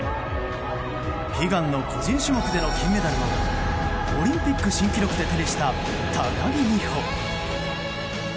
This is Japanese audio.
悲願の個人種目での金メダルをオリンピック新記録で手にした高木美帆。